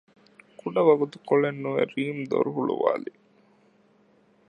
ކުޑަ ވަގުތުކޮޅެއް ނުވެ ރީމް ދޮރު ހުޅުވި